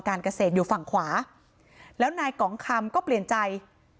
การเกษตรอยู่ฝั่งขวาแล้วนายกองคำก็เปลี่ยนใจ